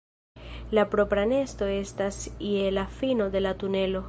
La propra nesto estas je la fino de la tunelo.